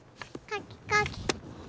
かきかき。